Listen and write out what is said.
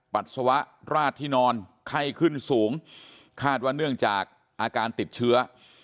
ปัสสาวะราดที่นอนไข้ขึ้นสูงคาดว่าเนื่องจากอาการติดเชื้อ